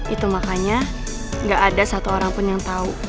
itu makanya gak ada satu orang pun yang tahu